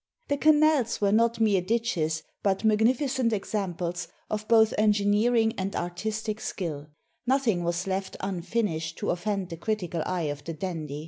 The canals were not mere ditches, but magnificent examples of both engineering and artis tic skill — nothing was left unfinished to offend the critical eye of the dandy.